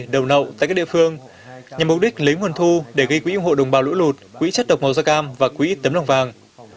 đầu nậu tại các địa phương nhằm mục đích lấy nguồn thu để gây quỹ ủng hộ đồng bào lũ lụt quỹ chất độc màu da cam và quỹ tấm lòng vàng